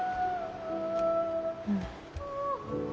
うん。